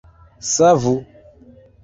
Savu!